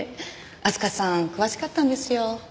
明日香さん詳しかったんですよ。